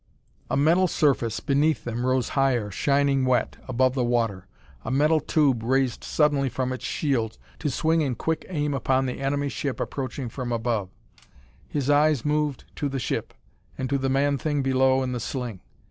A metal surface beneath them rose higher, shining wet, above the water; a metal tube raised suddenly from its shield, to swing in quick aim upon the enemy ship approaching from above. His eyes moved to the ship, and to the man thing below in the sling.